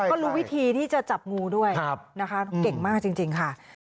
ก็รู้วิธีที่จะจับงูด้วยนะคะเก่งมากจริงค่ะ